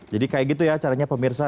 jadi kayak gitu ya caranya pemirsa